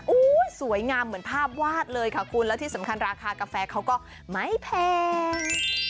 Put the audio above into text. สวยงามเหมือนภาพวาดเลยค่ะคุณแล้วที่สำคัญราคากาแฟเขาก็ไม่แพง